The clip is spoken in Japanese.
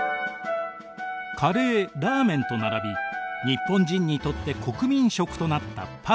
カレーラーメンと並び日本人にとって国民食となったパスタ。